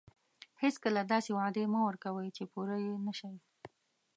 هیڅکله داسې وعدې مه ورکوئ چې پوره یې نه شئ.